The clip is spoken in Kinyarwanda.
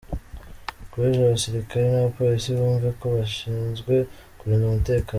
rw’ejo; Abasikikari n’Abapolisi bumve ko bashinzwe kurinda umutekano